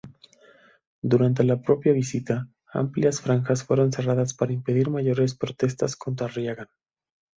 Durante la propia visita, amplias franjas fueron cerradas para impedir mayores protestas contra Reagan.